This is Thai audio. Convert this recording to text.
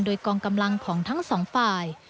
โดยกองกำลังของทั้งสองฝ่าย